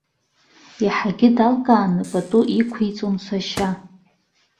Иаҳагьы далкааны пату иқәиҵон сашьа.